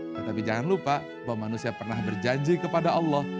tetapi jangan lupa bahwa manusia pernah berjanji kepada allah